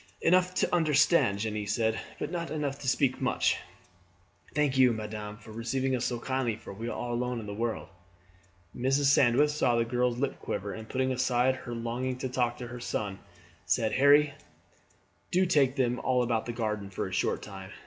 "Enough to understand," Jeanne said; "but not enough to speak much. Thank you, madame, for receiving us so kindly, for we are all alone in the world." Mrs. Sandwith saw the girl's lip quiver, and putting aside her longing to talk to her son, said: "Harry, do take them all out in the garden for a short time.